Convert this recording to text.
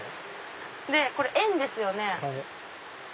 これ「縁」ですよね？